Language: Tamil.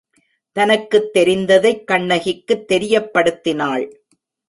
தனக்குத் தெரிந்ததைக் கண்ணகிக்குத் தெரியப்படுத்தினாள்.